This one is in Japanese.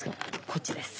こっちです。